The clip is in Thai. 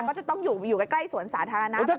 ก็จะต้องอยู่ใกล้สวนสาธารณะประตูเมือง